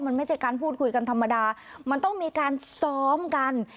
มันไม่ใช่การพูดคุยกันธรรมดามันต้องมีการซ้อมกัน